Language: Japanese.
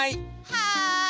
はい！